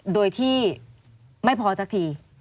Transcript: โดยที่ไม่พอสักที